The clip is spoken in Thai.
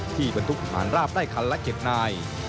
บรรทุกฐานราบได้คันละ๗นาย